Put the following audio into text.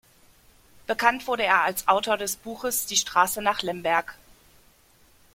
Bekannt wurde er als Autor des Buches "Die Straße nach Lemberg".